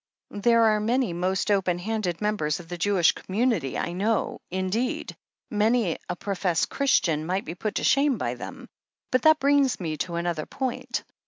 There are many most open handed members of the Jewish commimity, I know — indeed, many a professed Christian might be put to shame by them. But that brings me to another point.